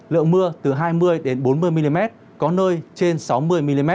lượng mưa từ hai mươi bốn mươi mm có nơi trên sáu mươi mm